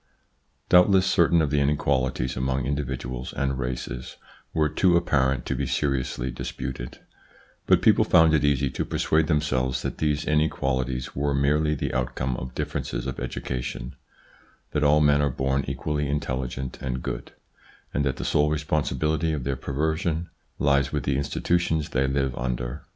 Doubtless certain of the inequalities among indi viduals and races were too apparent to be seriously disputed ; but people found it easy to persuade them selves that these inequalities were merely the outcome of differences of education, that all men are born equally intelligent and good, and that the sole respon sibility for their perversion lies with the institutions they live under.